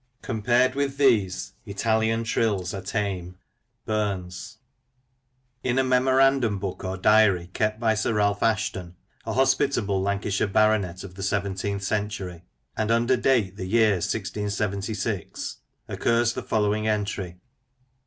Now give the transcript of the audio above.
"Compar*d with these, Italian trills are tame"— Bums, IN a memorandum book or diary kept by Sir Ralph Assheton, a hospitable Lancashire Baronet of the seven « teenth century, and under date the year 1676, occurs the following entry : "Xtmas.